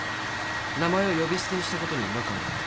名前を呼び捨てにしたことに違和感があって。